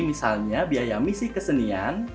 misalnya biaya misi kesenian